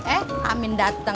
eh amin dateng